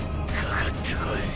かかって来い！